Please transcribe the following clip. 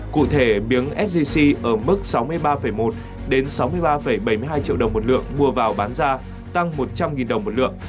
cụ thể miếng sgc ở mức sáu mươi ba một đến sáu mươi ba bảy mươi hai triệu đồng một lượng mua vào bán ra tăng một trăm linh đồng một lượng